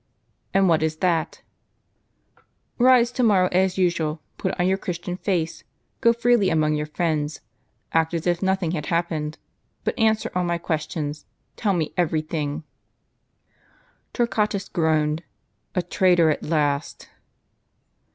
" And what is that ?" "Rise to morrow as usual; put on your Christian face; go freely among your friends ; act as if nothing had happened ; but answer all my questions, tell me every thing." Torquatus groaned, "A traitor at last!